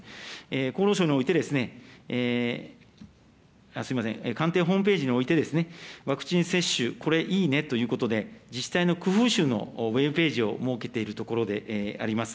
厚労省において、すみません、官邸ホームページにおいて、ワクチン接種、これいいねということで、自治体の工夫集のウェブページを設けているところであります。